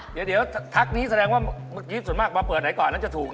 เดี๋ยวเดี๋ยวทักนี้แสดงว่าเมื่อกี้ส่วนมากมาเปิดไหนก่อนน่าจะถูกอย่าง